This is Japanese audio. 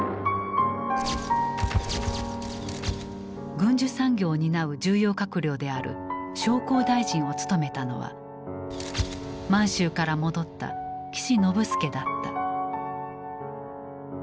軍需産業を担う重要閣僚である商工大臣を務めたのは満州から戻った岸信介だった。